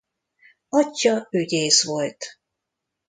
Atyja ügyész volt.